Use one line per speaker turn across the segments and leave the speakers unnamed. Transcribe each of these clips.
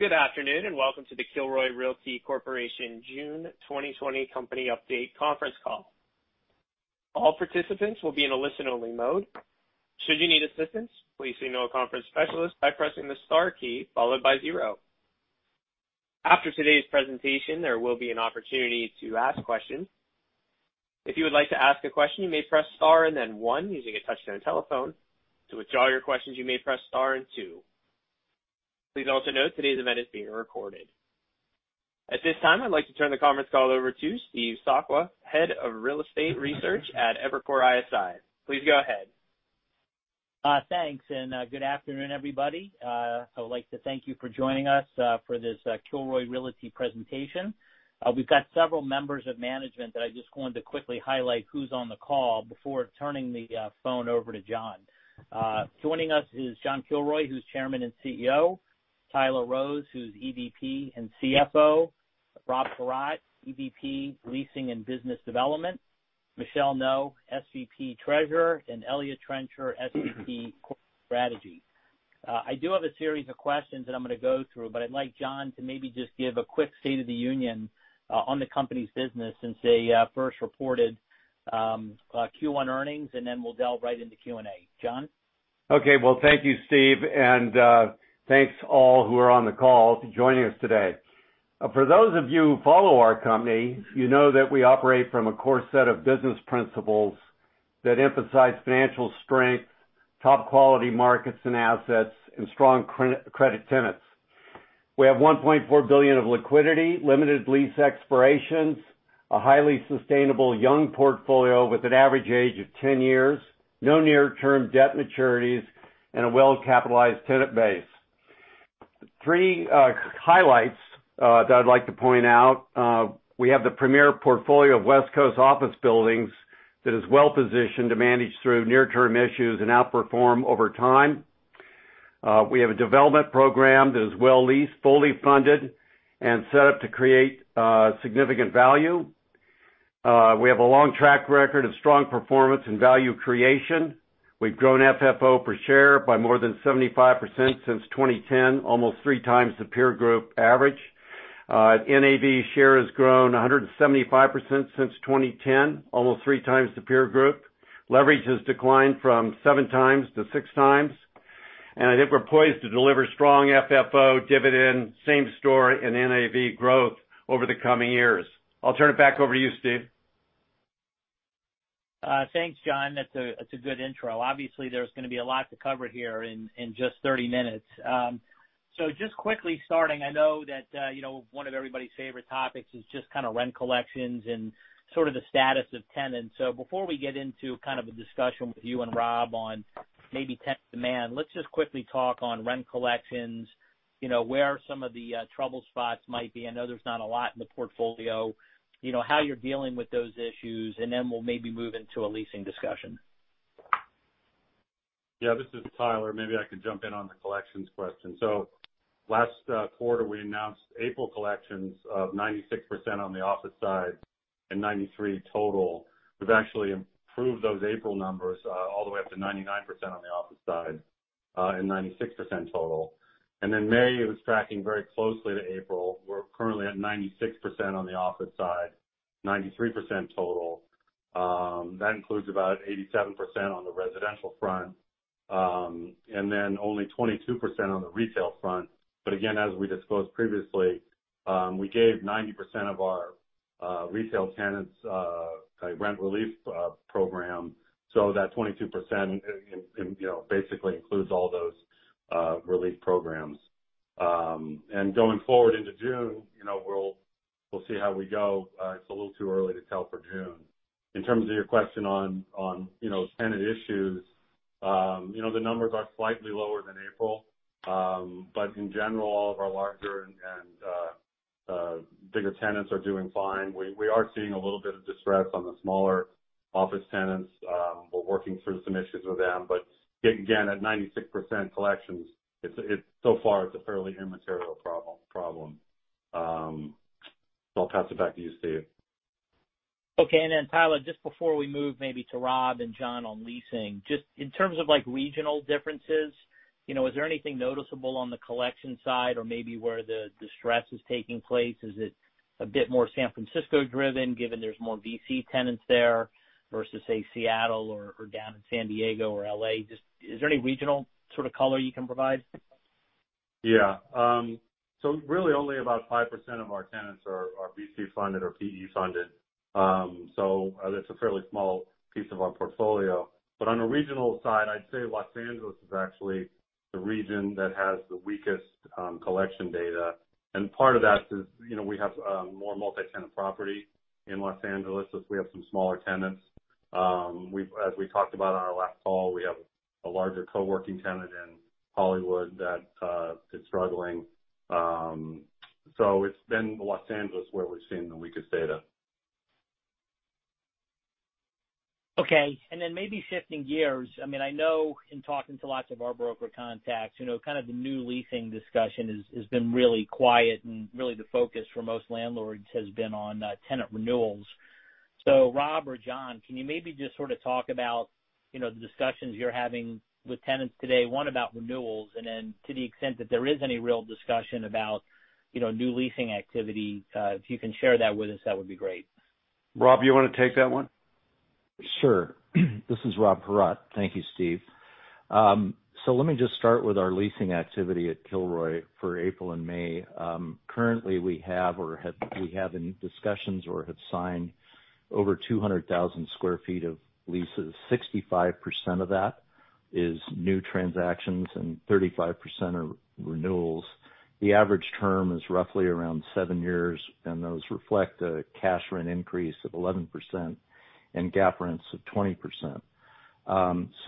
Good afternoon, welcome to the Kilroy Realty Corporation June 2020 company update conference call. All participants will be in a listen-only mode. Should you need assistance, please signal a conference specialist by pressing the star key, followed by zero. After today's presentation, there will be an opportunity to ask questions. If you would like to ask a question, you may press star and then one using a touch-tone telephone. To withdraw your questions, you may press star and two. Please also note today's event is being recorded. At this time, I'd like to turn the conference call over to Steve Sakwa, Head of Real Estate Research at Evercore ISI. Please go ahead.
Thanks, good afternoon, everybody. I would like to thank you for joining us for this Kilroy Realty presentation. We've got several members of management that I just wanted to quickly highlight who's on the call before turning the phone over to John. Joining us is John Kilroy, who's Chairman and CEO, Tyler Rose, who's EVP and CFO, Rob Paratte, EVP, Leasing and Business Development, Michelle Ngo, SVP Treasurer, and Eliott Trencher, SVP, Corporate Strategy. I do have a series of questions that I'm going to go through, but I'd like John to maybe just give a quick state of the union on the company's business since they first reported Q1 earnings, and then we'll delve right into Q&A. John?
Okay. Well, thank you, Steve, and thanks all who are on the call to joining us today. For those of you who follow our company, you know that we operate from a core set of business principles that emphasize financial strength, top-quality markets and assets, and strong credit tenants. We have $1.4 billion of liquidity, limited lease expirations, a highly sustainable young portfolio with an average age of 10 years, no near-term debt maturities, and a well-capitalized tenant base. Three highlights that I'd like to point out. We have the premier portfolio of West Coast office buildings that is well-positioned to manage through near-term issues and outperform over time. We have a development program that is well-leased, fully funded, and set up to create significant value. We have a long track record of strong performance and value creation. We've grown FFO per share by more than 75% since 2010, almost three times the peer group average. NAV share has grown 175% since 2010, almost three times the peer group. Leverage has declined from 7x to 6x. I think we're poised to deliver strong FFO dividend, same story in NAV growth over the coming years. I'll turn it back over to you, Steve.
Thanks, John. That's a good intro. Obviously, there's going to be a lot to cover here in just 30 minutes. Just quickly starting, I know that one of everybody's favorite topics is just kind of rent collections and sort of the status of tenants. Before we get into kind of a discussion with you and Rob on maybe tenant demand, let's just quickly talk on rent collections, where some of the trouble spots might be. I know there's not a lot in the portfolio. How you're dealing with those issues, then we'll maybe move into a leasing discussion.
Yeah, this is Tyler. Maybe I can jump in on the collections question. Last quarter, we announced April collections of 96% on the office side and 93% total. We've actually improved those April numbers all the way up to 99% on the office side and 96% total. May was tracking very closely to April. We're currently at 96% on the office side, 93% total. That includes about 87% on the residential front, and then only 22% on the retail front. Again, as we disclosed previously, we gave 90% of our retail tenants a rent relief program. That 22% basically includes all those relief programs. Going forward into June, we'll see how we go. It's a little too early to tell for June. In terms of your question on tenant issues, the numbers are slightly lower than April. In general, all of our larger and bigger tenants are doing fine. We are seeing a little bit of distress on the smaller office tenants. We're working through some issues with them. Again, at 96% collections, so far it's a fairly immaterial problem. I'll pass it back to you, Steve.
Okay. Tyler, just before we move maybe to Rob and John on leasing, just in terms of regional differences, is there anything noticeable on the collection side or maybe where the distress is taking place? Is it a bit more San Francisco driven, given there's more VC tenants there versus, say, Seattle or down in San Diego or L.A.? Just is there any regional sort of color you can provide?
Yeah. Really only about 5% of our tenants are VC-funded or PE-funded. That's a fairly small piece of our portfolio. On a regional side, I'd say Los Angeles is actually the region that has the weakest collection data. Part of that is we have more multi-tenant property in Los Angeles, so we have some smaller tenants. As we talked about on our last call, we have a larger co-working tenant in Hollywood that is struggling. It's been Los Angeles where we're seeing the weakest data.
Okay. Maybe shifting gears. I know in talking to lots of our broker contacts, kind of the new leasing discussion has been really quiet, and really the focus for most landlords has been on tenant renewals. Rob or John, can you maybe just sort of talk about the discussions you're having with tenants today, one about renewals, and then to the extent that there is any real discussion about new leasing activity. If you can share that with us, that would be great.
Rob, you want to take that one?
Sure. This is Rob Paratte. Thank you, Steve. Let me just start with our leasing activity at Kilroy for April and May. Currently, we have in discussions or have signed over 200,000 sq ft of leases. 65% of that is new transactions and 35% are renewals. The average term is roughly around seven years, and those reflect a cash rent increase of 11% and GAAP rents of 20%.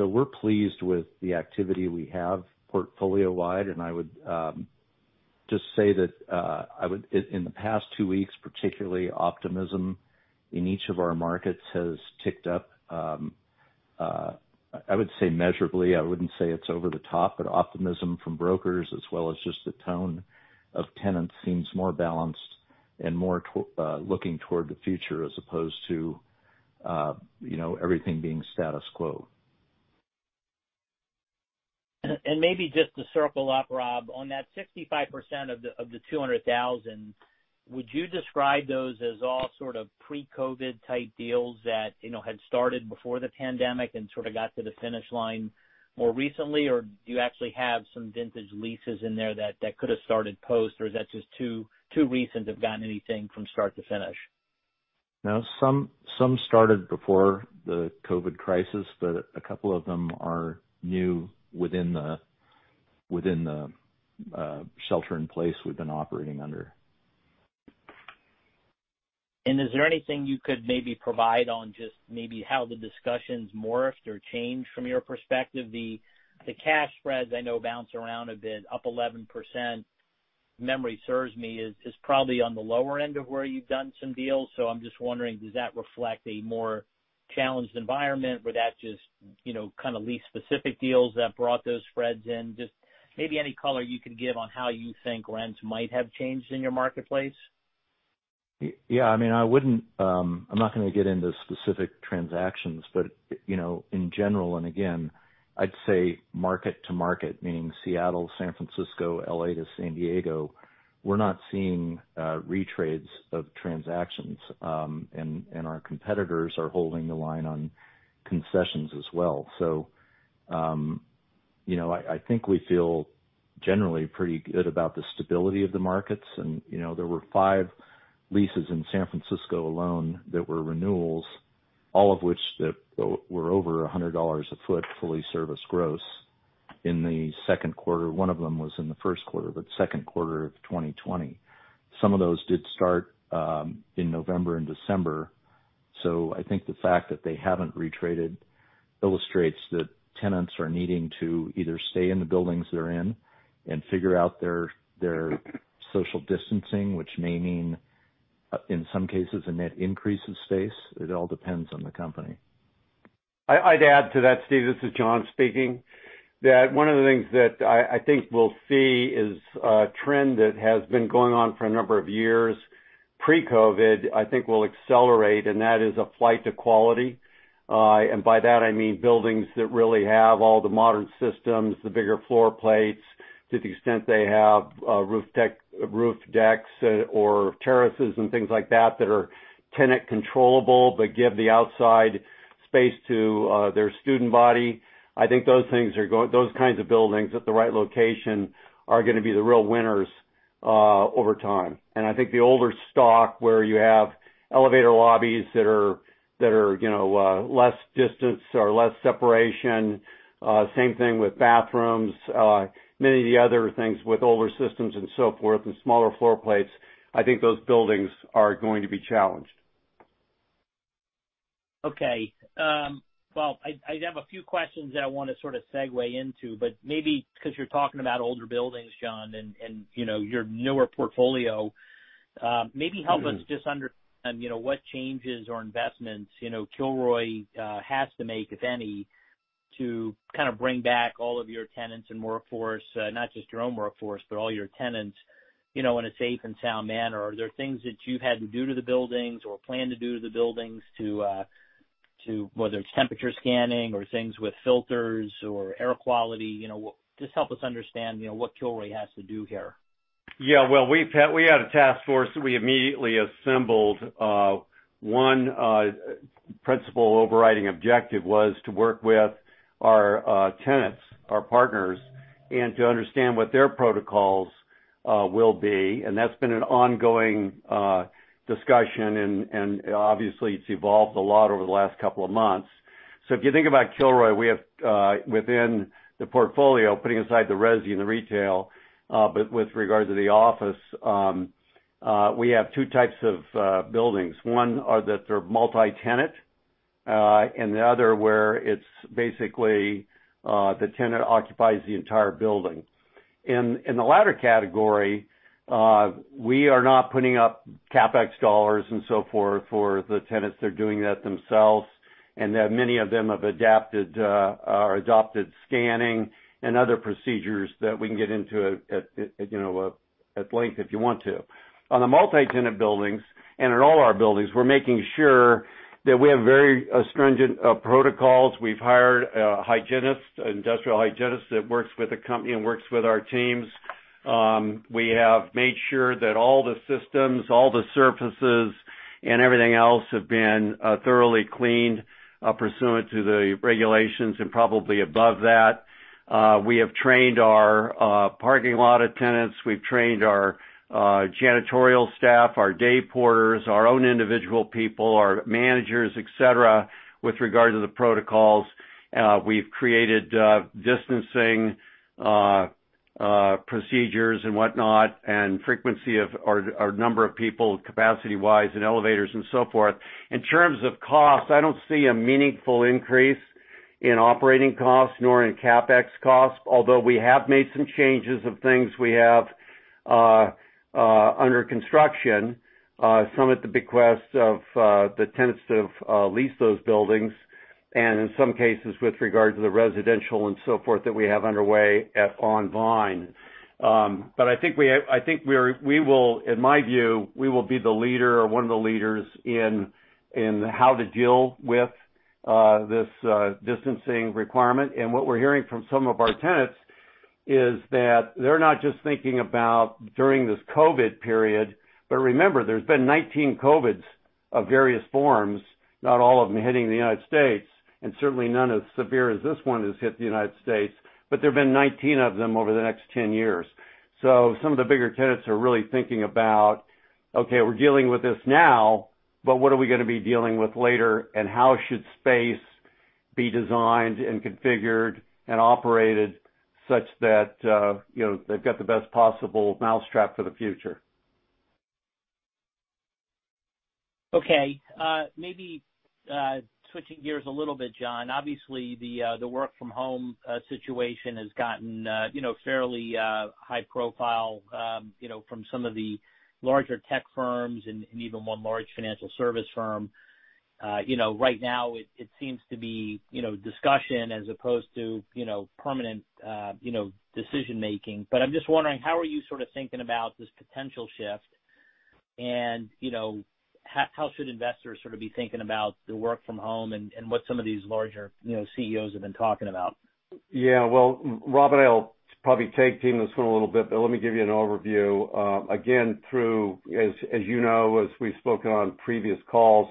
We're pleased with the activity we have portfolio-wide, and I would just say that in the past two weeks, particularly optimism in each of our markets has ticked up. I would say measurably. I wouldn't say it's over the top, but optimism from brokers as well as just the tone of tenants seems more balanced and more looking toward the future as opposed to everything being status quo.
Maybe just to circle up, Rob, on that 65% of the [200,000 sq ft], would you describe those as all sort of pre-COVID type deals that had started before the pandemic and sort of got to the finish line more recently? Or do you actually have some vintage leases in there that could have started post? Or is that just too recent to have gotten anything from start to finish?
No. Some started before the COVID crisis, but a couple of them are new within the shelter in place we've been operating under.
Is there anything you could maybe provide on just maybe how the discussions morphed or changed from your perspective? The cash spreads I know bounce around a bit, up 11%, if memory serves me, is probably on the lower end of where you've done some deals. I'm just wondering, does that reflect a more challenged environment? Or that just kind of lease specific deals that brought those spreads in? Just maybe any color you could give on how you think rents might have changed in your marketplace.
Yeah. I'm not going to get into specific transactions, but in general, again, I'd say market to market, meaning Seattle, San Francisco, L.A. to San Diego, we're not seeing retrades of transactions. Our competitors are holding the line on concessions as well. I think we feel generally pretty good about the stability of the markets. There were five leases in San Francisco alone that were renewals, all of which that were over $100 a foot, fully serviced gross in the second quarter. One of them was in the first quarter, but second quarter of 2020. Some of those did start in November and December. I think the fact that they haven't retraded illustrates that tenants are needing to either stay in the buildings they're in and figure out their social distancing, which may mean, in some cases, a net increase in space. It all depends on the company.
I'd add to that, Steve, this is John speaking. One of the things that I think we'll see is a trend that has been going on for a number of years pre-COVID, I think will accelerate, and that is a flight to quality. By that I mean buildings that really have all the modern systems, the bigger floor plates, to the extent they have roof decks or terraces and things like that that are tenant controllable but give the outside space to their student body. I think those kinds of buildings at the right location are going to be the real winners over time. I think the older stock where you have elevator lobbies that are less distance or less separation, same thing with bathrooms, many of the other things with older systems and so forth, and smaller floor plates, I think those buildings are going to be challenged.
Okay. Well, I have a few questions that I want to sort of segue into. Maybe because you're talking about older buildings, John, and your newer portfolio, maybe help us just understand what changes or investments Kilroy has to make, if any, to kind of bring back all of your tenants and workforce, not just your own workforce, but all your tenants in a safe and sound manner. Are there things that you've had to do to the buildings or plan to do to the buildings, whether it's temperature scanning or things with filters or air quality, just help us understand what Kilroy has to do here.
Yeah. Well, we had a task force that we immediately assembled. One principal overriding objective was to work with our tenants, our partners, and to understand what their protocols will be. That's been an ongoing discussion, and obviously it's evolved a lot over the last couple of months. If you think about Kilroy, we have within the portfolio, putting aside the resi and the retail, but with regard to the office, we have two types of buildings. One are that they're multi-tenant, and the other where it's basically the tenant occupies the entire building. In the latter category, we are not putting up CapEx $ and so forth for the tenants. They're doing that themselves. Many of them have adapted or adopted scanning and other procedures that we can get into at length if you want to. On the multi-tenant buildings, and in all our buildings, we're making sure that we have very stringent protocols. We've hired a hygienist, industrial hygienist, that works with the company and works with our teams. We have made sure that all the systems, all the surfaces, and everything else have been thoroughly cleaned, pursuant to the regulations, and probably above that. We have trained our parking lot attendants. We've trained our janitorial staff, our day porters, our own individual people, our managers, et cetera, with regard to the protocols. We've created distancing procedures and whatnot, and frequency of our number of people, capacity-wise, in elevators and so forth. In terms of cost, I don't see a meaningful increase in operating costs nor in CapEx costs, although we have made some changes of things we have under construction, some at the bequest of the tenants to lease those buildings, and in some cases, with regard to the residential and so forth that we have underway at On Vine. I think, in my view, we will be the leader or one of the leaders in how to deal with this distancing requirement. What we're hearing from some of our tenants is that they're not just thinking about during this COVID period, but remember, there's been 19 COVIDs of various forms, not all of them hitting the U.S., and certainly none as severe as this one that's hit the U.S., but there have been 19 of them over the next 10 years. Some of the bigger tenants are really thinking about, okay, we're dealing with this now, but what are we going to be dealing with later? How should space be designed and configured and operated such that they've got the best possible mousetrap for the future?
Okay. Maybe switching gears a little bit, John. Obviously, the work from home situation has gotten fairly high profile from some of the larger tech firms and even one large financial service firm. Right now, it seems to be discussion as opposed to permanent decision making. I'm just wondering, how are you sort of thinking about this potential shift, and how should investors sort of be thinking about the work from home, and what some of these larger CEOs have been talking about?
Yeah. Well, Rob, I'll probably tag team this one a little bit, but let me give you an overview. Again, as you know, as we've spoken on previous calls,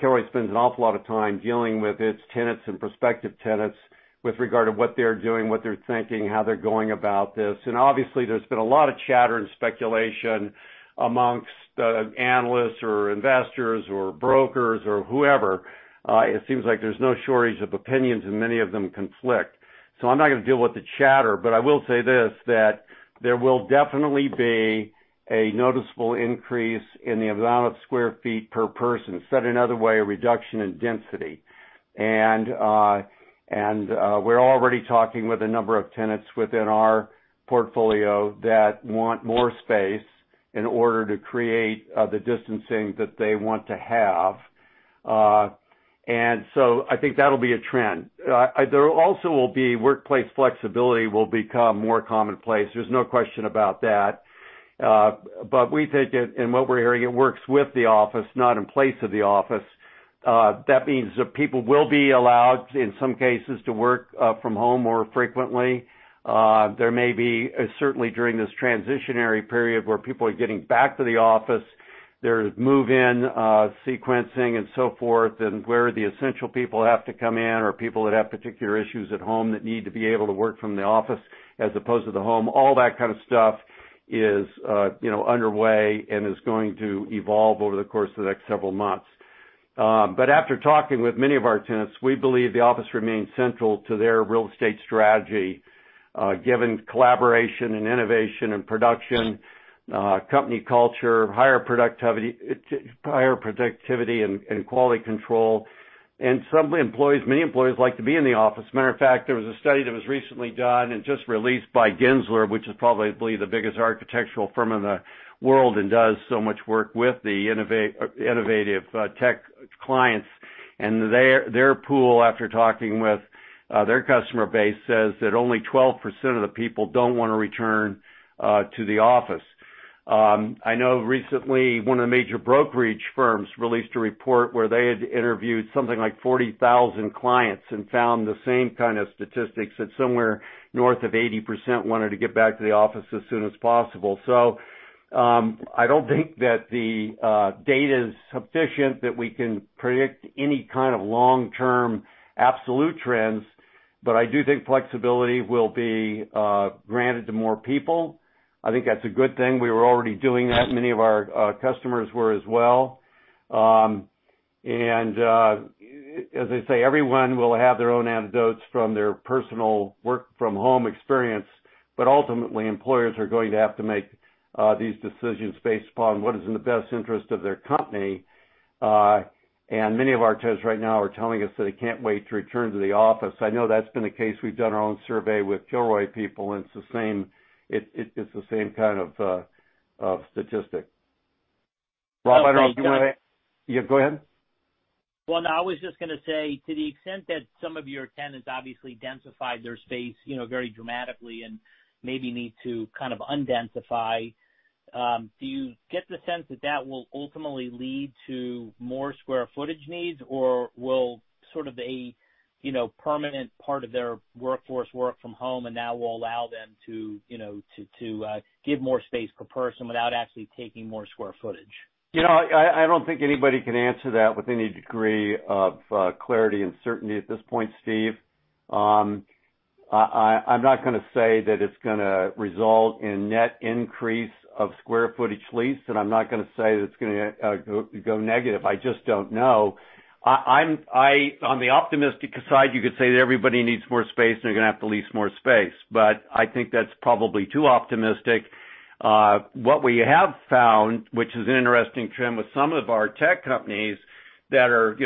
Kilroy spends an awful lot of time dealing with its tenants and prospective tenants with regard to what they're doing, what they're thinking, how they're going about this. Obviously, there's been a lot of chatter and speculation amongst analysts or investors or brokers or whoever. It seems like there's no shortage of opinions, and many of them conflict. I'm not going to deal with the chatter, but I will say this, that there will definitely be a noticeable increase in the amount of square feet per person. Said another way, a reduction in density. We're already talking with a number of tenants within our portfolio that want more space in order to create the distancing that they want to have. I think that'll be a trend. There also will be workplace flexibility will become more commonplace. There's no question about that. We think that in what we're hearing, it works with the office, not in place of the office. That means that people will be allowed, in some cases, to work from home more frequently. There may be, certainly during this transitionary period where people are getting back to the office, there's move-in sequencing and so forth, and where the essential people have to come in or people that have particular issues at home that need to be able to work from the office as opposed to the home. All that kind of stuff is underway and is going to evolve over the course of the next several months. After talking with many of our tenants, we believe the office remains central to their real estate strategy, given collaboration and innovation and production, company culture, higher productivity, and quality control. Some employees, many employees like to be in the office. Matter of fact, there was a study that was recently done and just released by Gensler, which is probably the biggest architectural firm in the world and does so much work with the innovative tech clients. Their poll, after talking with their customer base, says that only 12% of the people don't want to return to the office. I know recently, one of the major brokerage firms released a report where they had interviewed something like 40,000 clients and found the same kind of statistics, that somewhere north of 80% wanted to get back to the office as soon as possible. I don't think that the data is sufficient that we can predict any kind of long-term absolute trends. I do think flexibility will be granted to more people. I think that's a good thing. We were already doing that. Many of our customers were as well. As I say, everyone will have their own anecdotes from their personal work from home experience. Ultimately, employers are going to have to make these decisions based upon what is in the best interest of their company. Many of our tenants right now are telling us that they can't wait to return to the office. I know that's been the case. We've done our own survey with Kilroy people. It's the same kind of statistic. Rob, yeah, go ahead.
Well, no, I was just going to say, to the extent that some of your tenants obviously densified their space very dramatically and maybe need to kind of un-densify, do you get the sense that that will ultimately lead to more square footage needs? Or will sort of a permanent part of their workforce work from home, and that will allow them to give more space per person without actually taking more square footage?
I don't think anybody can answer that with any degree of clarity and certainty at this point, Steve. I'm not going to say that it's going to result in net increase of square footage lease, and I'm not going to say that it's going to go negative. I just don't know. On the optimistic side, you could say that everybody needs more space, and they're going to have to lease more space. I think that's probably too optimistic. What we have found, which is an interesting trend with some of our tech companies that are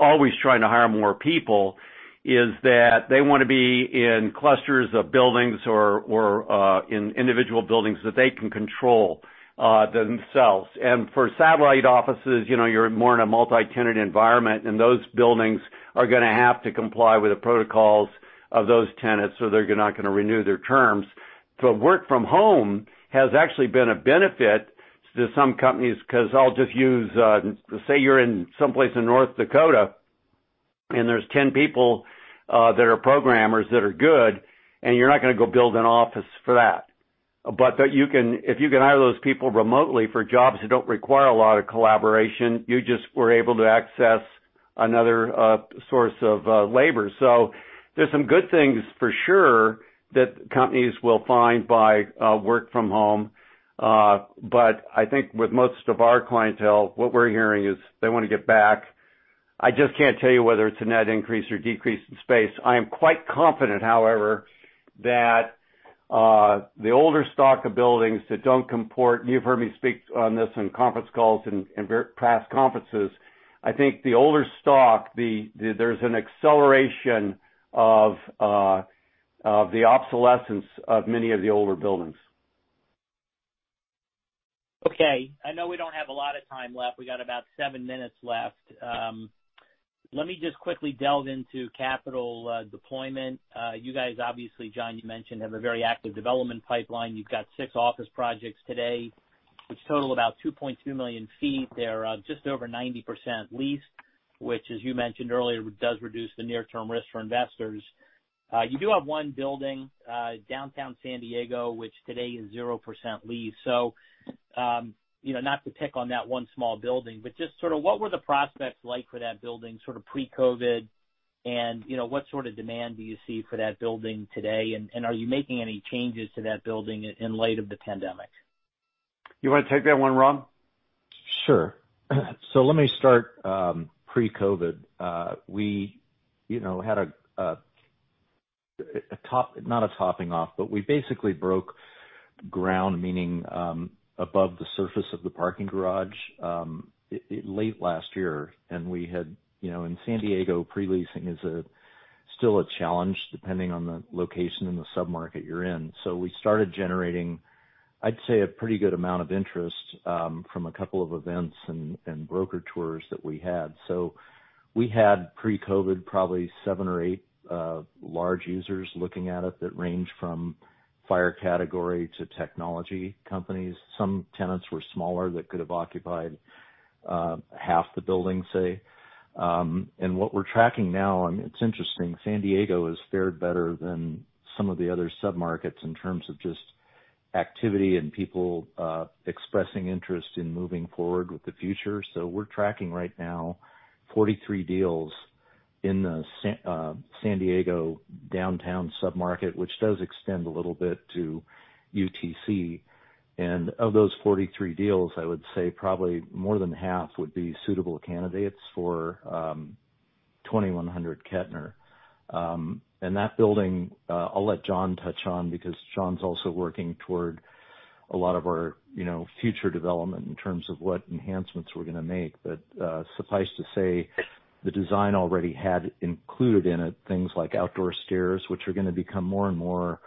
always trying to hire more people, is that they want to be in clusters of buildings or in individual buildings that they can control themselves. For satellite offices, you're more in a multi-tenant environment, and those buildings are going to have to comply with the protocols of those tenants, or they're not going to renew their terms. Work from home has actually been a benefit to some companies, because I'll just use, say you're in some place in North Dakota, and there's 10 people that are programmers that are good, and you're not going to go build an office for that. If you can hire those people remotely for jobs that don't require a lot of collaboration, you just were able to access another source of labor. There's some good things for sure that companies will find by work from home. I think with most of our clientele, what we're hearing is they want to get back. I just can't tell you whether it's a net increase or decrease in space. I am quite confident, however, that the older stock of buildings. You've heard me speak on this on conference calls and past conferences. I think the older stock, there's an acceleration of the obsolescence of many of the older buildings.
Okay. I know we don't have a lot of time left. We got about seven minutes left. Let me just quickly delve into capital deployment. You guys, obviously, John, you mentioned, have a very active development pipeline. You've got six office projects today, which total about 2.2 million sq ft. They're just over 90% leased, which, as you mentioned earlier, does reduce the near-term risk for investors. You do have one building, downtown San Diego, which today is 0% leased. Not to pick on that one small building, but just sort of what were the prospects like for that building sort of pre-COVID, and what sort of demand do you see for that building today, and are you making any changes to that building in light of the pandemic?
You want to take that one, Rob?
Sure. Let me start pre-COVID. We had not a topping off, but we basically broke ground, meaning above the surface of the parking garage, late last year. We had in San Diego, pre-leasing is still a challenge depending on the location and the sub-market you're in. We started generating, I'd say, a pretty good amount of interest from a couple of events and broker tours that we had. We had pre-COVID, probably seven or eight large users looking at it that range from FIRE category to technology companies. Some tenants were smaller that could have occupied half the building, say. What we're tracking now, and it's interesting, San Diego has fared better than some of the other sub-markets in terms of just activity and people expressing interest in moving forward with the future. We're tracking right now 43 deals in the San Diego downtown sub-market, which does extend a little bit to UTC. Of those 43 deals, I would say probably more than half would be suitable candidates for 2100 Kettner. That building, I'll let John touch on because John's also working toward a lot of our future development in terms of what enhancements we're going to make. Suffice to say, the design already had included in it things like outdoor stairs, which are going to become more and more,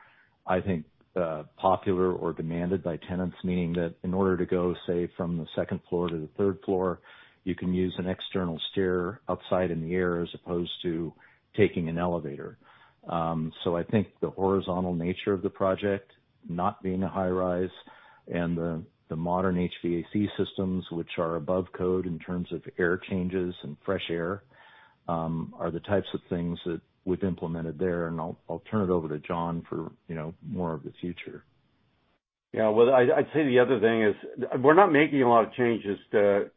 I think, popular or demanded by tenants. Meaning that in order to go, say, from the second floor to the third floor, you can use an external stair outside in the air as opposed to taking an elevator. I think the horizontal nature of the project not being a high rise and the modern HVAC systems, which are above code in terms of air changes and fresh air, are the types of things that we've implemented there. I'll turn it over to John for more of the future.
Yeah. Well, I'd say the other thing is we're not making a lot of changes to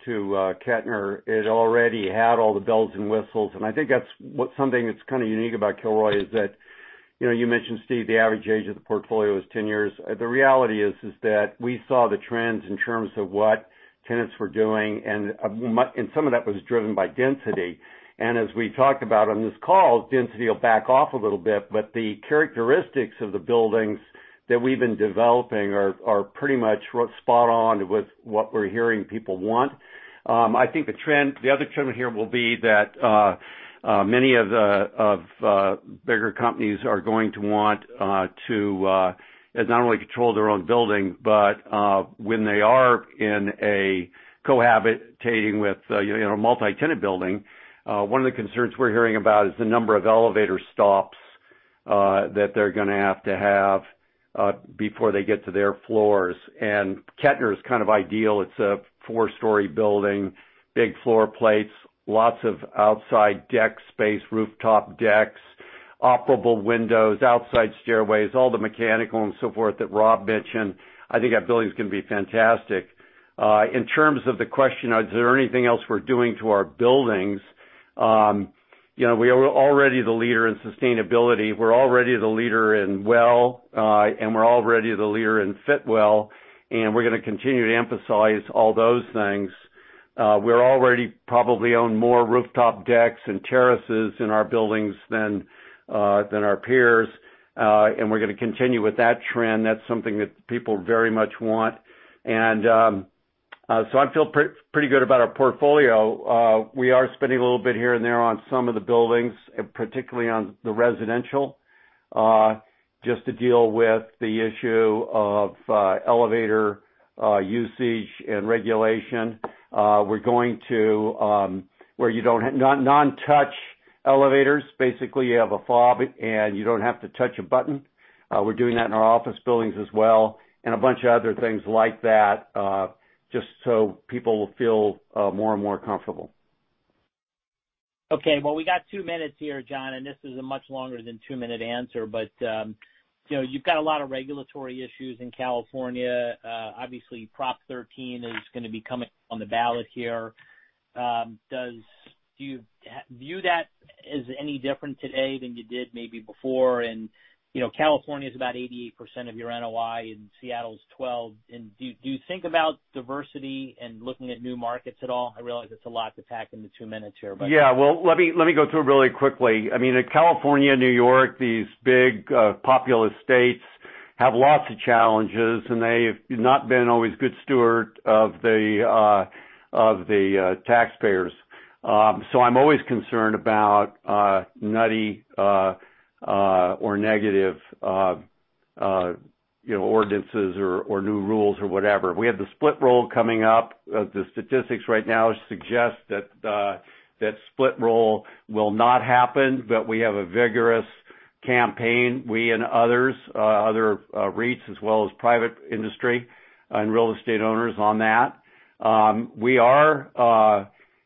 Kettner. It already had all the bells and whistles, and I think that's something that's kind of unique about Kilroy is that you mentioned, Steve, the average age of the portfolio is 10 years. The reality is that we saw the trends in terms of what tenants were doing, and some of that was driven by density. As we talked about on this call, density will back off a little bit, but the characteristics of the buildings that we've been developing are pretty much spot on with what we're hearing people want. I think the other trend here will be that many of the bigger companies are going to want to not only control their own building, but when they are cohabitating with a multi-tenant building, one of the concerns we're hearing about is the number of elevator stops that they're going to have to have before they get to their floors. Kettner is kind of ideal. It's a four-story building, big floor plates, lots of outside deck space, rooftop decks, operable windows, outside stairways, all the mechanical and so forth that Rob mentioned. I think that building's going to be fantastic. In terms of the question, is there anything else we're doing to our buildings? We are already the leader in sustainability. We're already the leader in WELL, and we're already the leader in Fitwel, and we're going to continue to emphasize all those things. We already probably own more rooftop decks and terraces in our buildings than our peers. We're going to continue with that trend. That's something that people very much want. I feel pretty good about our portfolio. We are spending a little bit here and there on some of the buildings, particularly on the residential, just to deal with the issue of elevator usage and regulation. We're going to non-touch elevators. Basically, you have a fob, and you don't have to touch a button. We're doing that in our office buildings as well and a bunch of other things like that, just so people will feel more and more comfortable.
Okay. Well, we got two minutes here, John, and this is a much longer than two-minute answer. You've got a lot of regulatory issues in California. Obviously, Prop 13 is going to be coming on the ballot here. Do you view that as any different today than you did maybe before? California's about 88% of your NOI, and Seattle's 12%. Do you think about diversity and looking at new markets at all? I realize it's a lot to pack into two minutes here.
Well, let me go through it really quickly. I mean, California, New York, these big populous states have lots of challenges, and they have not been always good steward of the taxpayers. I'm always concerned about nutty or negative ordinances or new rules or whatever. We have the split roll coming up. The statistics right now suggest that split roll will not happen. We have a vigorous campaign, we and others, other REITs as well as private industry and real estate owners on that.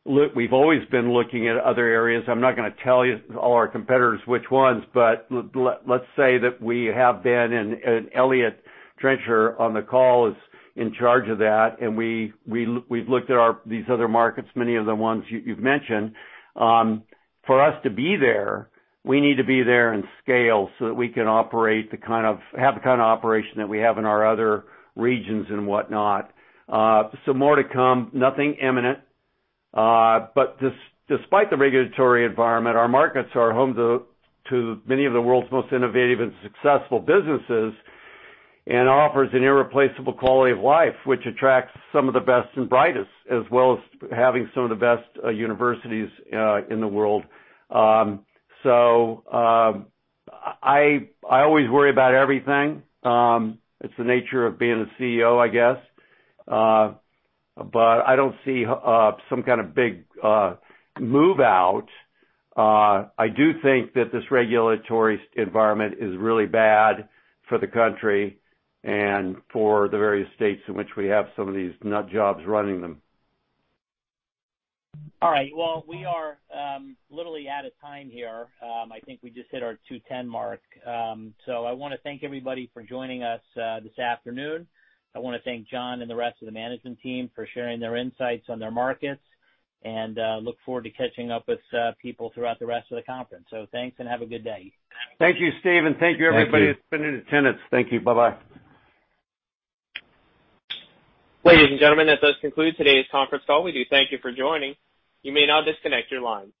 We've always been looking at other areas. I'm not going to tell all our competitors which ones, but let's say that we have been, and Eliott Trencher on the call is in charge of that. We've looked at these other markets, many of the ones you've mentioned. For us to be there, we need to be there in scale so that we can have the kind of operation that we have in our other regions and whatnot. More to come. Nothing imminent. Despite the regulatory environment, our markets are home to many of the world's most innovative and successful businesses and offers an irreplaceable quality of life, which attracts some of the best and brightest, as well as having some of the best universities in the world. I always worry about everything. It's the nature of being a CEO, I guess. I don't see some kind of big move-out. I do think that this regulatory environment is really bad for the country and for the various states in which we have some of these nut jobs running them.
All right. Well, we are literally out of time here. I think we just hit our [2:10 P.M.] Mark. I want to thank everybody for joining us this afternoon. I want to thank John and the rest of the management team for sharing their insights on their markets, and look forward to catching up with people throughout the rest of the conference. Thanks, and have a good day.
Thank you, Steve, and thank you everybody.
Thank you.
That's been in attendance. Thank you. Bye-bye.
Ladies and gentlemen, as this concludes today's conference call, we do thank you for joining. You may now disconnect your line.